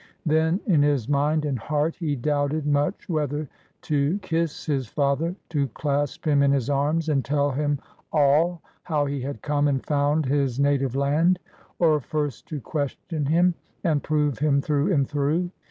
Then in his mind and heart he doubted much whether to kiss his father, to clasp him in his arms and tell him all, how he had come and found his native land ; or first to question him and prove him through and through.